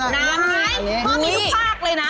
น้ำน้อยพ่อมีทุกภาพเลยนะ